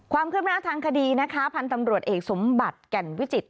ความคืบหน้าทางคดีนะคะพันธุ์ตำรวจเอกสมบัติแก่นวิจิตร